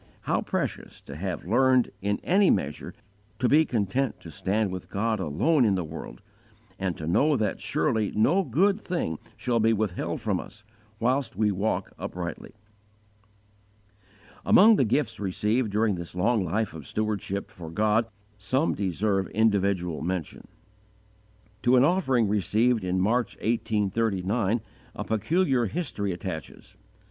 _ How precious to have learned, in any measure, to be content to stand with God alone in the world, and to know that surely no good thing shall be withheld from us, whilst we walk uprightly!" Among the gifts received during this long life of stewardship for God some deserve individual mention. To an offering received in March, 1839, a peculiar history attaches.